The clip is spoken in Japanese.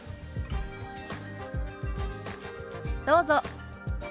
どうぞ。